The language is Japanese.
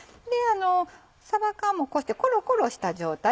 さば缶もこうしてコロコロした状態。